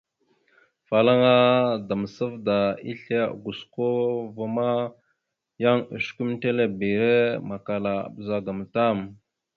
Afalaŋa Damsavda islé gosko ma yan osəkʉmətelebere makala a bəzagaam tam.